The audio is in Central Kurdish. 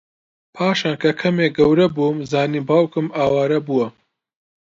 پاشان کە کەمێک گەورەبووم زانیم باوکم ئاوارە بووە